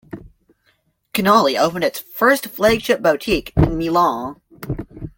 Canali opened its first flagship boutique in Milan.